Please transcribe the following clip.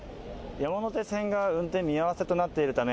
山手線が運転見合わせとなっているため